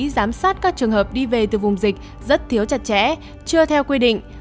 giám sát các trường hợp đi về từ vùng dịch rất thiếu chặt chẽ chưa theo quy định